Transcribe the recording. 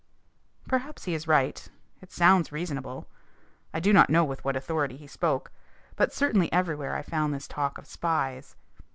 Perhaps he is right. It sounds reasonable. I do not know with what authority he spoke. But certainly everywhere I found this talk of spies.